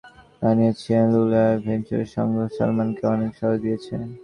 সালমানের ঘনিষ্ঠ অনেকেই জানিয়েছেন, লিলুয়া ভেঞ্চুরের সঙ্গ সালমানকে অনেক সাহস দিয়েছে।